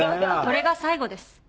これが最後です。